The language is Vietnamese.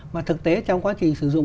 mà thực tế trong quá trình sử dụng